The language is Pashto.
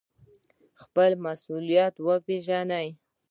خپل مسوولیت وپیژنئ